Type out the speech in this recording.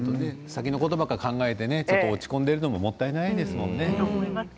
先のことばかり考えて落ち込んでいるのももったいないですもんね。